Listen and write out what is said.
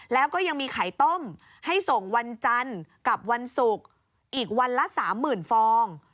แล้วก็ยังมีไข่ต้มให้ส่งวันจันทร์กับวันศุกร์อีกวันละ๓๐๐๐ฟอง